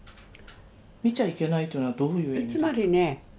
見ちゃいけないというのはどういう意味ですか？